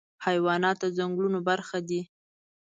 حیوانات د ځنګلونو برخه دي.